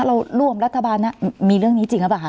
เราร่วมรัฐบาลมีเรื่องนี้จริงหรือเปล่าคะ